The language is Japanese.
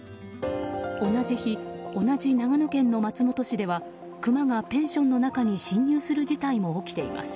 同じ日、同じ長野県の松本市ではクマがペンションの中に侵入する事態も起きています。